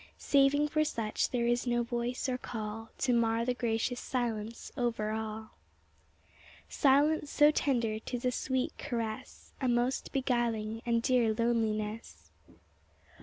Saving for such there is no voice or call To mar the gracious silence over all ŌĆö Silence so tender 'tis a sweet caress, A most beguiling and dear loneliness.